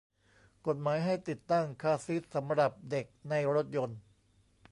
กฎหมายให้ติดตั้งคาร์ซีทสำหรับเด็กในรถยนต์